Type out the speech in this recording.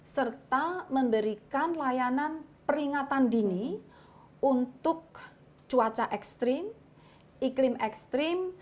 serta memberikan layanan peringatan dini untuk cuaca ekstrim iklim ekstrim